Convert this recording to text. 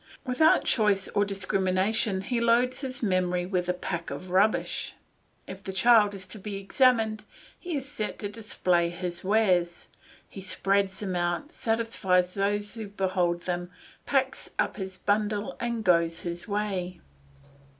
Without choice or discrimination he loads his memory with a pack of rubbish. If the child is to be examined he is set to display his wares; he spreads them out, satisfies those who behold them, packs up his bundle and goes his way.